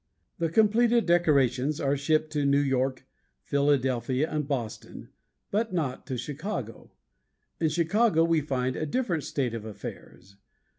The completed decorations are shipped to New York, Philadelphia, and Boston, but not to Chicago. In Chicago we find a different state of affairs.